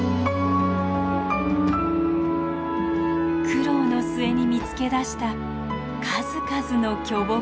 苦労の末に見つけ出した数々の巨木。